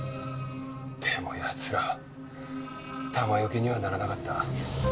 でも奴らは弾よけにはならなかった。